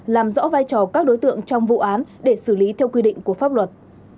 làm rõ vai trò các đối tượng trong vụ án để xử lý theo quy định của pháp luật